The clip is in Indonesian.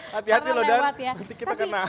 hati hati loh dan mesti kita kena